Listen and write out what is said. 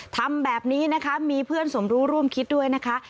ทำแบบนี้นะคะมีเพื่อนสมรู้ร่วมคิดด้วยนะคะ